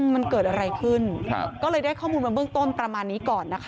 มันเกิดอะไรขึ้นก็เลยได้ข้อมูลมาเบื้องต้นประมาณนี้ก่อนนะคะ